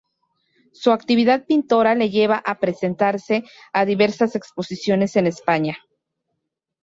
Su actividad pintora le lleva a presentarse a diversas exposiciones en España.